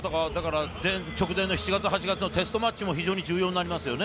直前の７月・８月はテストマッチも非常に重要になりますよね。